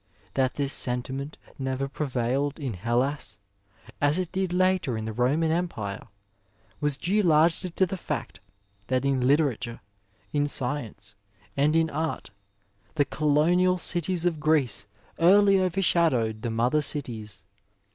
That this sentiment never prevailed in Hellas, as it did later in the Roman Empire, was due largely to the fact that in literature, in science and in art, the colonial cities of Greece eariy over shadowed the mother cities.